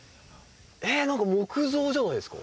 ええ何か木造じゃないですか？